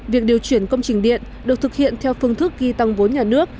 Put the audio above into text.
việc điều chuyển công trình điện được thực hiện theo phương thức ghi tăng vốn nhà nước